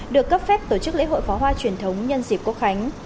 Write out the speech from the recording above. được cấp phép tổ chức lễ hội pháo hoa truyền thống nhân dịp quốc khánh